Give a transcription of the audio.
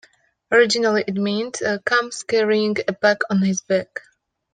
Originally it meant, Comes carrying a pack on his back.